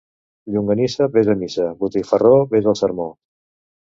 Llonganissa ves a missa, botifarró ves al sermó.